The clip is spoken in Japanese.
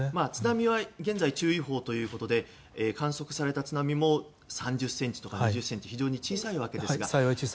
津波は、現在注意報ということで観測された津波も３０ｃｍとか２０ｃｍと非常に小さいわけですが。